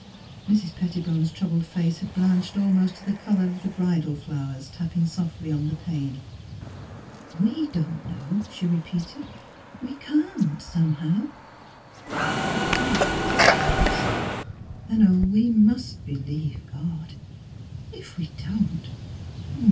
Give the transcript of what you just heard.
'' Mrs. Pettibone 's troubled face had blanched almost to the colour of the bridal flowers tapping softly on the pane. " We — don't know," she repeated. '' We — can't, somehow. But God — ^understands. And we must — believe — God. If we don't — oh!